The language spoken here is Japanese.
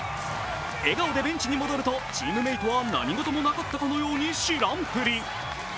笑顔でベンチに戻ると、チームメートは何ごともなかったかのように。